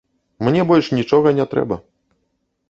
Мне больш нічога не трэба.